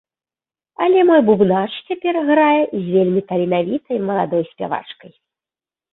Але мой бубнач цяпер грае з вельмі таленавітай маладой спявачкай.